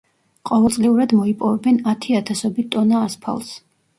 ყოველწლიურად მოიპოვებენ ათი ათასობით ტონა ასფალტს.